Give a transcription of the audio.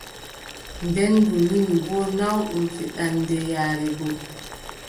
Nden ndu numi boo naawɗum fiɗaande yaare go.